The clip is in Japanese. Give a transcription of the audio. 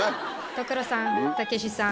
所さんたけしさん。